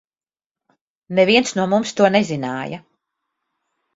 Neviens no mums to nezināja.